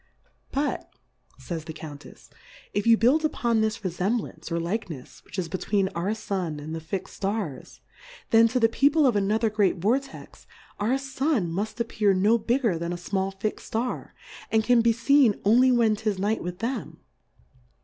But, jays toe Couittfi^ if you build upon this Refemblance, or Likencfs, which is be tween our Sun and the fix'd Stars, then, to the People of another great Vortex, our Sun muft appear no bigger than a fmall fixM Star, and can be ktn only when 'tis Night with them.